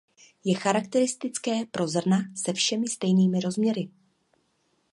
Je charakteristické pro zrna se všemi stejnými rozměry.